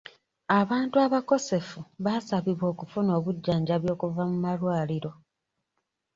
Abantu abakosefu baasabibwa okufuna obujjanjabi okuva mu malwaliro.